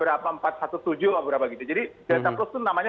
atau berapa gitu jadi delta plus itu namanya